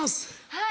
はい。